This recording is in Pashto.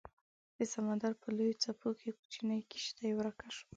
د سمندر په لویو څپو کې کوچنۍ کیشتي ورکه شوه